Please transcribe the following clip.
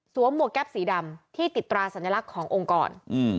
หมวกแก๊ปสีดำที่ติดตราสัญลักษณ์ขององค์กร